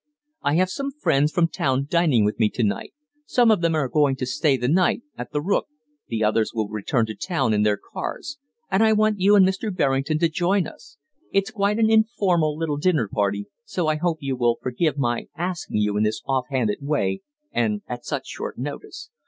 I have some friends from town dining with me to night some of them are going to stay the night at 'The Rook,' the others will return to town in their cars and I want you and Mr. Berrington to join us. It's quite an informal little dinner party, so I hope you will forgive my asking you in this offhanded way and at such short notice.